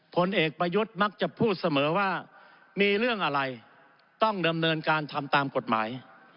ผลเอกประยุทธ์มักจะพูดเสมอว่ามีเรื่องอะไรต้องดำเนินการทำตามกฎหมาย